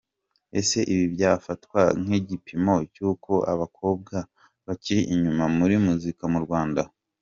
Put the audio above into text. Ese ibi byafatwa nk’igipimo cy’uko abakobwa bakiri inyuma muri muzika mu Rwanda ?.